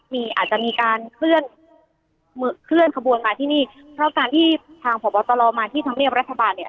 มีอาจจะมีการเคลื่อนเคลื่อนขบวนมาที่นี่เพราะการที่ทางผ่อประตาลอมมาที่ทำเนียมรัฐบาลเนี้ย